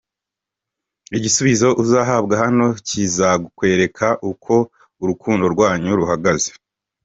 Igisubizo uzahabwa hano kizakwereka uko urukundo rwanyu ruhagaze .